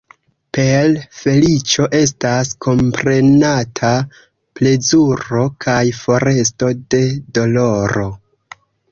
Per feliĉo estas komprenata plezuro kaj foresto de doloro.